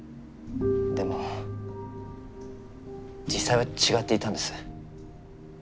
でも実際は違っていたんです。